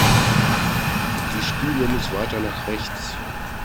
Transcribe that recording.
Die Spüle muss weiter nach rechts.